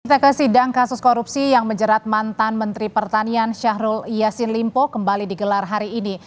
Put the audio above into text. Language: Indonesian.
kita ke sidang kasus korupsi yang menjerat mantan menteri pertanian syahrul yassin limpo kembali digelar hari ini